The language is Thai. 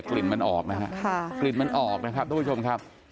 กลิ่นมันออกนะครับทุกผู้ชมครับ